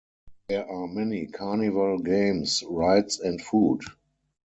There are many carnival games, rides, and food.